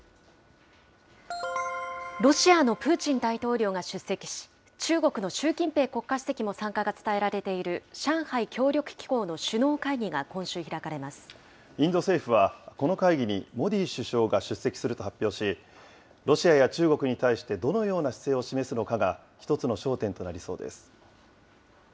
ロシアのプーチン大統領が出席し、中国の習近平国家主席も参加が伝えられている上海協力機構の首脳インド政府はこの会議にモディ首相が出席すると発表し、ロシアや中国に対してどのような姿勢を示すのかが１つの焦点となりそうです。